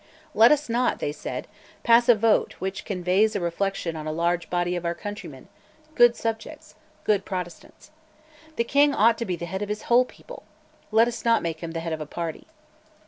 "Let us not," they said, "pass a vote which conveys a reflection on a large body of our countrymen, good subjects, good Protestants. The King ought to be the head of his whole people. Let us not make him the head of a party."